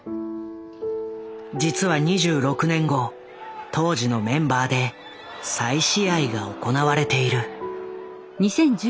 実は２６年後当時のメンバーで再試合が行われている。